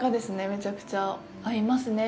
めちゃくちゃ合いますね。